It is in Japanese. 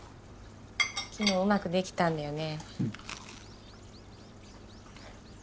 昨日うまくできたんだよね。